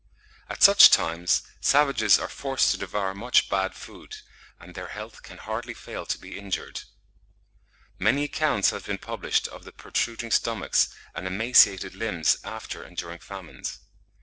At such times savages are forced to devour much bad food, and their health can hardly fail to be injured. Many accounts have been published of their protruding stomachs and emaciated limbs after and during famines.